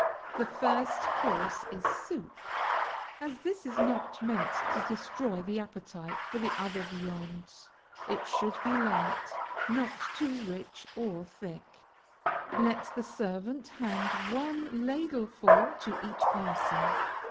The first course is soup. As this is not meant to destroy the appetite for other viands, it should be light, not too rich or thick. Let the servant hand one ladlefull to each person.